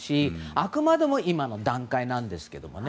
あくまでも今の段階ではなんですけどね。